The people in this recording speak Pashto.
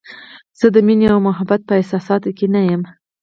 زه د مینې او محبت په احساساتو کې نه یم.